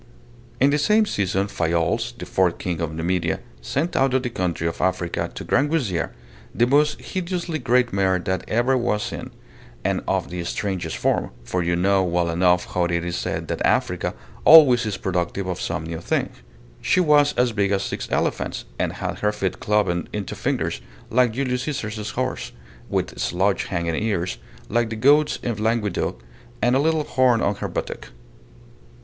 [Illustration: He Went to See the City 1 16 036] In the same season Fayoles, the fourth King of Numidia, sent out of the country of Africa to Grangousier the most hideously great mare that ever was seen, and of the strangest form, for you know well enough how it is said that Africa always is productive of some new thing. She was as big as six elephants, and had her feet cloven into fingers, like Julius Caesar's horse, with slouch hanging ears, like the goats in Languedoc, and a little horn on her buttock.